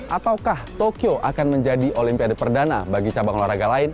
ataukah tokyo akan menjadi olimpiade perdana bagi cabang olahraga lain